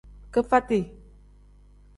Kifati.